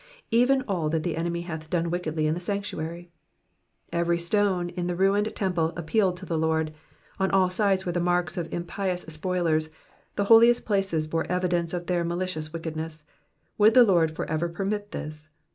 *^Eoen all that tJie enemy hath done wickedly in the mnctuary.^^ Every stone in the ruined temple appealed to the Lord ; on all sides were the marks of impious spoilers, the holiest places bore evidence of their malicious wickedness; would the Lord for ever*permit this?